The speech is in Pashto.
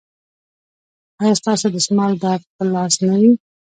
ایا ستاسو دستمال به په لاس نه وي؟